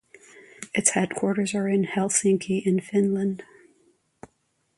Its headquarters are in Helsinki in Finland.